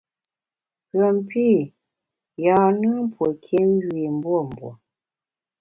Pùen pî, yâ-nùn pue nkiém yu i mbuembue.